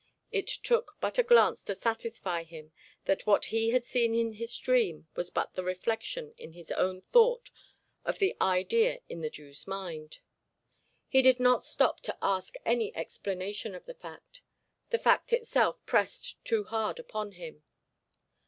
It took but a glance to satisfy him that what he had seen in his dream was but the reflection in his own thought of the idea in the Jew's mind. He did not stop to ask any explanation of the fact; the fact itself pressed too hard upon him.